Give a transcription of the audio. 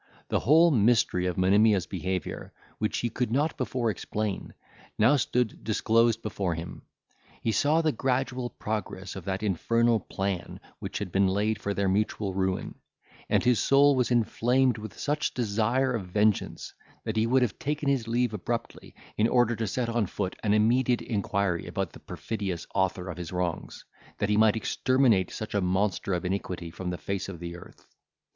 The whole mystery of Monimia's behaviour, which he could not before explain, now stood disclosed before him. He saw the gradual progress of that infernal plan which had been laid for their mutual ruin; and his soul was inflamed with such desire of vengeance, that he would have taken his leave abruptly, in order to set on foot an immediate inquiry about the perfidious author of his wrongs, that he might exterminate such a monster of iniquity from the face of the earth.